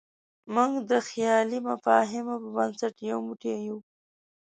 موږ د خیالي مفاهیمو په بنسټ یو موټی یو.